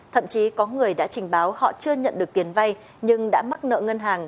thậm chí có người đã trình báo họ chưa nhận được tiền vay nhưng đã mắc nợ ngân hàng